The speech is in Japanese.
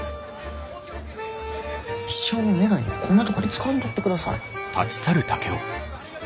一生の願いをこんなとこで使わんとってください。